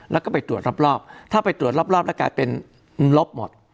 แล้วก็ไปตรวจรอบถ้าไปตรวจรอบแล้วกลายเป็นลบหมด